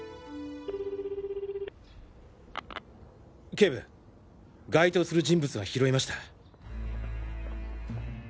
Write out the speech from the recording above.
警部該当する人物が拾えました。